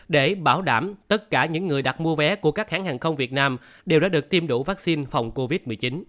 để bảo đảm tất cả những người đặt mua vé của các hãng hàng không việt nam đều đã được tiêm đủ vaccine phòng covid một mươi chín